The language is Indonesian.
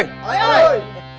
tadi jawaban lain